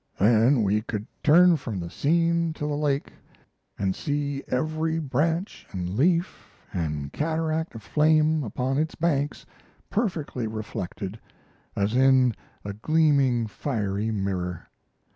Then we could turn from the scene to the lake, and see every branch and leaf and cataract of flame upon its banks perfectly reflected, as in a gleaming, fiery mirror.